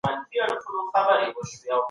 د هغه واکمنۍ د هند او بخارا تر ساحو ورسیده.